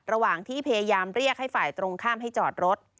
ระหว่างที่พยายามเรียกให้ฝ่ายตรงข้ามให้จอดรถ